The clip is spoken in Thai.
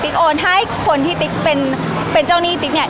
โอนให้คนที่ติ๊กเป็นเจ้าหนี้ติ๊กเนี่ย